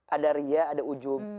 ada ria ada ujum